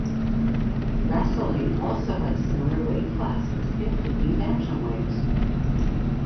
Wrestling also has similar weight classes including bantamweight.